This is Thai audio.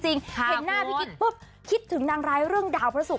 เห็นหน้าพี่กิ๊กปุ๊บคิดถึงนางร้ายเรื่องดาวพระสุก